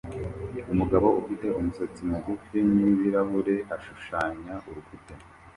Umugabo ufite umusatsi mugufi n'ibirahure ashushanya urukuta